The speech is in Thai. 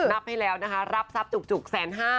นับให้แล้วนะคะรับทรัพย์จุก๑๕๐๐